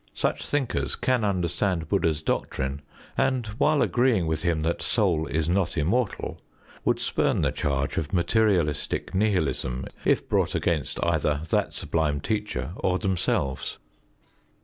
Such thinkers can understand Bud╠Żd╠Żha's doctrine and, while agreeing with him that soul is not immortal, would spurn the charge of materialistic nihilism, if brought against either that sublime teacher or themselves.